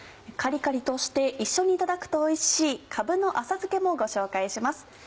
カリカリとして一緒にいただくとおいしい「かぶの浅漬け」もご紹介します。